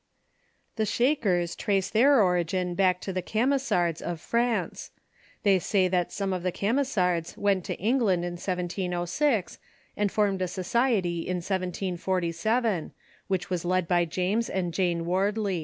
The Shakers trace their origin back to the Camisards of France. They say that some of the Camisards went to England in 1706, and formed a society in 1747, which was led by James and Jane AVardley.